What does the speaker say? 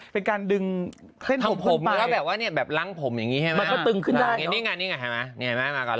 เป็นการดึงทำผมเขาแบบว่าเนี้ยแบบลั้งผมอย่างงี้น่ะมันก็